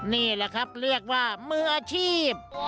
นี่แหละครับเรียกว่ามืออาชีพ